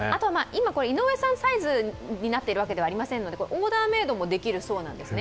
今、井上さんサイズになっているわけではありませんのでオーダーメイドもできるそうなんです。